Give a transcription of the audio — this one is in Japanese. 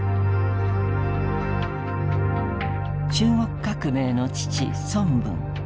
中国革命の父孫文。